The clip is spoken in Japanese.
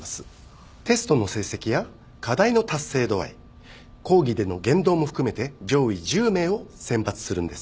テストの成績や課題の達成度合い講義での言動も含めて上位１０名を選抜するんです。